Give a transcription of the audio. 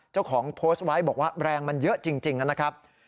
เจ้าของโพสต์ไว้บอกว่าแรงมันเยอะจริงนะครับ